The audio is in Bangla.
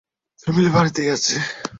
ফ্যামিলি বাড়িতেই আছে?